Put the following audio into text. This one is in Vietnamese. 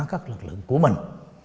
các lực lượng của mình